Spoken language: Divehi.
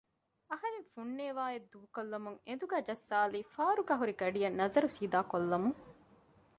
އަހަރެން ފުންނޭވާއެއް ދޫކޮށްލަމުން އެނދުގައި ޖައްސާލީ ފާރުގައި ހުރި ގަޑިއަށް ނަޒަރު ސީދާކޮށްލަމުން